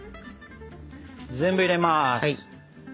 全部入れます。